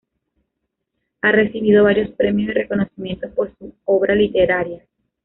Ha recibido varios premios y reconocimientos por su obra literaria.